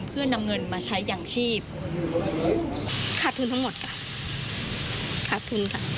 เพื่อนำเงินมาใช้อย่างชีพขาดทุนทั้งหมดค่ะขาดทุนค่ะ